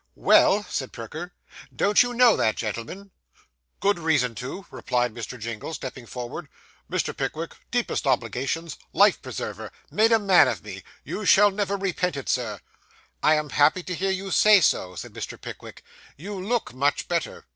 'Well,' said Perker, 'don't you know that gentleman?' 'Good reason to,' replied Mr. Jingle, stepping forward. 'Mr. Pickwick deepest obligations life preserver made a man of me you shall never repent it, Sir.' 'I am happy to hear you say so,' said Mr. Pickwick. 'You look much better.